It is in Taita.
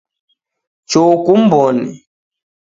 Choo kumw'one